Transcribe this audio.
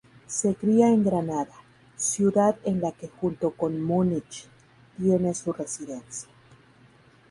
Se cría en Granada, ciudad en la que junto con Múnich tiene su residencia.